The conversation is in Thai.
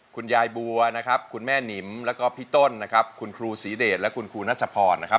คุณยายบัวคุณแม่นิมแล้วก็พี่ต้นคุณครูสีเดชและคุณครูนัสพรสวัสดีครับ